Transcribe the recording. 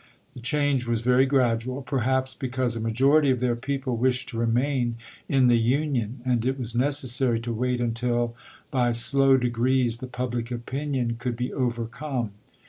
The change was very gradual ; perhaps be cause a majority of their people wished to remain in the Union, and it was necessary to wait until by slow degrees the public opinion could be overcome.